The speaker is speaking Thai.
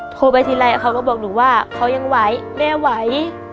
โทรไปทีไรเขาก็บอกหนูว่าเขายังไหวแม่ไหว